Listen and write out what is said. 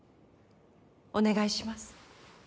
お願いします。